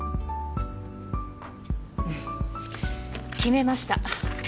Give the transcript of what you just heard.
うん決めました